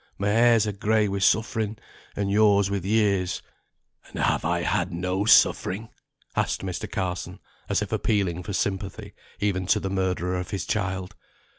My hairs are gray with suffering, and yours with years " "And have I had no suffering?" asked Mr. Carson, as if appealing for sympathy, even to the murderer of his child.